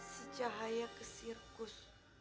si cahaya ke sirkus